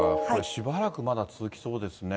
しばらくまだ続きそうですね。